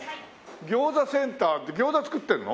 餃子センターって餃子作ってるの？